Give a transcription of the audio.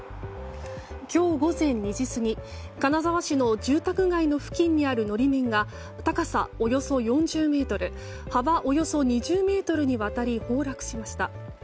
今日午前２時過ぎ金沢市の住宅街の近くにある法面が、高さおよそ４０ｍ幅およそ２０ｍにわたり崩落しました。